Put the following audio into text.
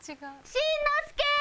しんのすけ！